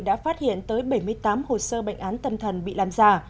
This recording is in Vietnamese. đã phát hiện tới bảy mươi tám hồ sơ bệnh án tâm thần bị làm giả